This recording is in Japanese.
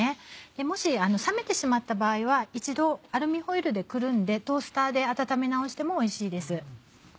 もし冷めてしまった場合は一度アルミホイルでくるんでトースターで温め直してもおいしいです。